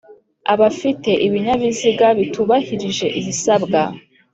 Abafite ibinyabiziga bitubahirije ibisabwa